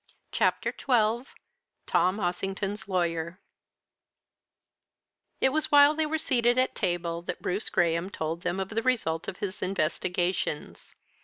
CHAPTER XII TOM OSSINGTON'S LAWYER It was while they were seated at table that Bruce Graham told them of the result of his investigations.